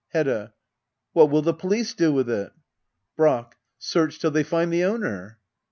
Hedda. What will the police do with it } Brack. Search till they find the owner.